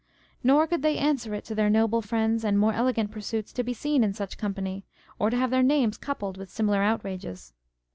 Nor could they answer it to their Noble friends and more elegant pursuits to be seen in such company, or to have their names coupled with similar outrages."